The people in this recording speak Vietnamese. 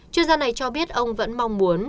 chuyên gia này cho biết ông vẫn mong muốn